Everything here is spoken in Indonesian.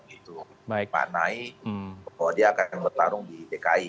itu memanahi bahwa dia akan bertarung di dki